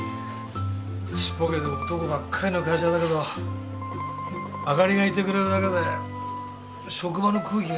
ちっぽけで男ばっかりの会社だけどあかりがいてくれるだけで職場の空気が和むんだよな。